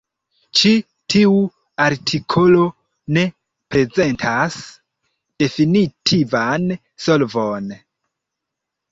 Ĉi tiu artikolo ne prezentas definitivan solvon.